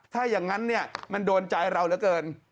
ถ้าอย่างนั้นเนี่ยมันโดนใจเราเหลือเกิน